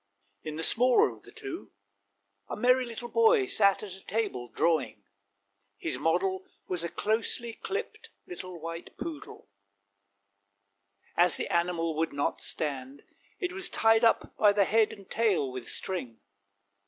In the smaller of the two a merry little boy sat at a table drawing; his model was a closely clipped, little white poodle; as the animal would not stand, it was tied up by the head and tail with string.